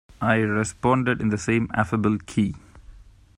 I responded in the same affable key.